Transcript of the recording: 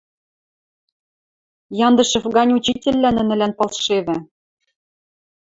Яндышев гань учительвлӓ нӹнӹлӓн палшевӹ.